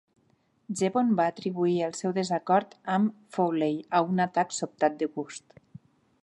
Zevon va atribuir el seu desacord amb Fowley a un atac sobtat de gust.